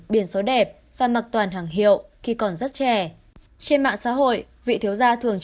biển số đẹp và mặc toàn hàng hiệu khi còn rất trẻ